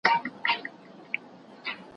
زه بايد وخت تېرووم